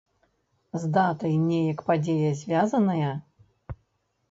З датай неяк падзея звязаная?